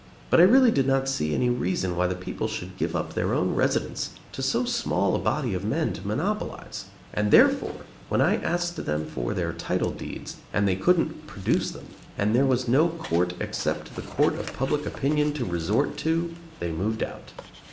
But I really did not see any reason why the people should give up their own residence to so small a body of men to monopolize; and, therefore, when I asked them for their title deeds and they couldn't produce them, and there was no court except the court of public opinion to resort to, they moved out.